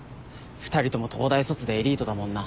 ２人とも東大卒でエリートだもんな。